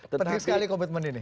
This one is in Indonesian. penting sekali kompetmen ini